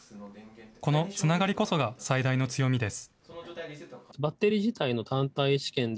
このつながりこそが最大の強みです。